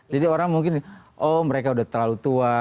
jadi orang mungkin oh mereka udah terlalu tua